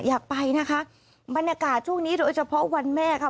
อยากไปนะคะบรรยากาศช่วงนี้โดยเฉพาะวันแม่ค่ะ